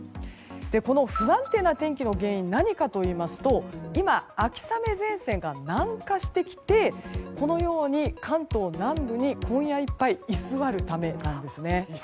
この不安定な天気の原因は何かといいますと今、秋雨前線が南下してきてこのように関東南部に今夜いっぱい居座るためなんですね。